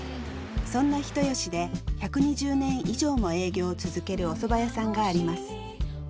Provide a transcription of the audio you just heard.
そんな人吉で１２０年以上も営業を続けるおそば屋さんがあります。